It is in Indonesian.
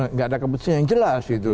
tidak ada keputusan yang jelas gitu